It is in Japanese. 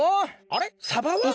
あれ？